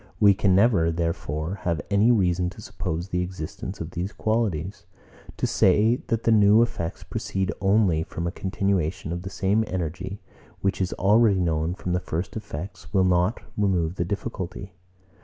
We can never, therefore, have any reason to suppose the existence of these qualities. To say, that the new effects proceed only from a continuation of the same energy, which is already known from the first effects, will not remove the difficulty.